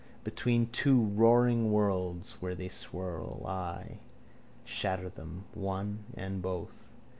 Between two roaring worlds where they swirl, I. Shatter them, one and both.